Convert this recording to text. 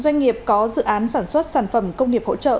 doanh nghiệp có dự án sản xuất sản phẩm công nghiệp hỗ trợ